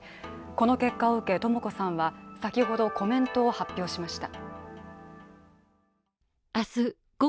この結果を受けとも子さんは先ほどコメントを発表しました。